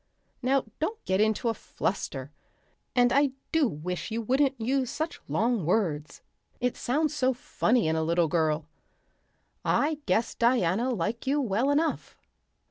"Now, don't get into a fluster. And I do wish you wouldn't use such long words. It sounds so funny in a little girl. I guess Diana 'll like you well enough.